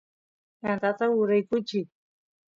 yantata uraykuchiy